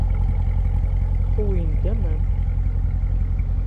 Uwyen-d aman.